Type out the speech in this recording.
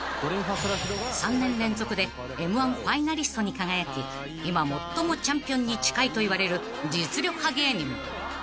［３年連続でＭ−１ファイナリストに輝き今最もチャンピオンに近いといわれる実力派芸人］